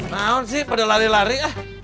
maut sih pada lari lari